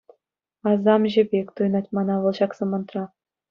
Асамҫӑ пек туйӑнать мана вӑл ҫак самантра.